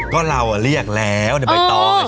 ก็เราอ่ะเรียกแล้วจะไปต่อช้า